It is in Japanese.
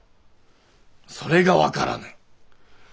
それが分からない。